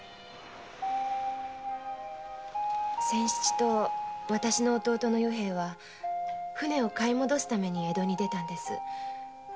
仙七と私の弟の与平は舟を買い戻すために江戸に出たんです。